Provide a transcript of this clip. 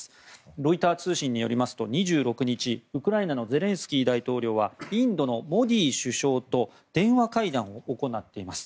ロイター通信によりますと２６日ウクライナのゼレンスキー大統領はインドのモディ首相と電話会談を行っています。